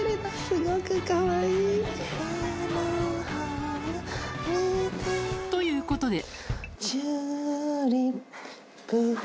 すごくかわいい。ということで